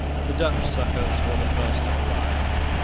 The Dutch succours were the first to arrive.